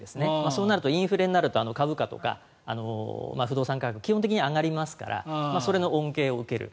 そうなるとインフレになると株価とか不動産価格基本的には上がりますからそれの恩恵を受ける。